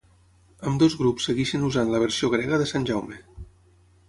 Ambdós grups segueixen usant la versió grega de Sant Jaume.